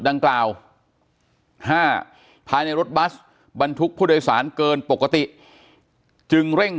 ดังกล่าว๕ภายในรถบัสบรรทุกผู้โดยสารเกินปกติจึงเร่ง